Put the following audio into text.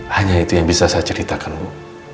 hanya itu yang bisa saya ceritakan bu